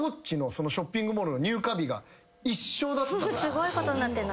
すごいことになってんな。